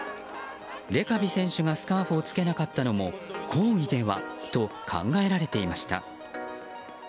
レカビ選手がスカーフを着けなかったのも抗議ではと考えられていました。